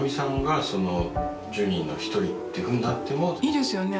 いいですよね